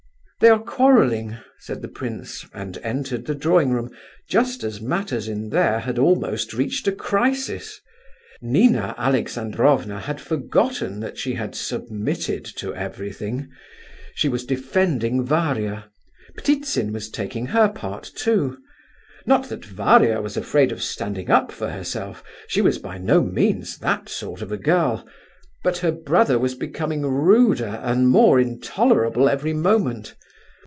"They are quarrelling," said the prince, and entered the drawing room, just as matters in there had almost reached a crisis. Nina Alexandrovna had forgotten that she had "submitted to everything!" She was defending Varia. Ptitsin was taking her part, too. Not that Varia was afraid of standing up for herself. She was by no means that sort of a girl; but her brother was becoming ruder and more intolerable every moment.